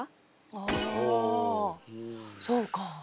ああそうか。